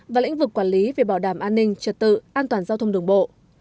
và lĩnh vực quản lý về bảo đảm an ninh trật tự an toàn giao thông đường bộ